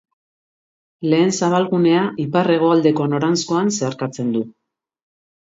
Lehen Zabalgunea ipar-hegoaldeko noranzkoan zeharkatzen du.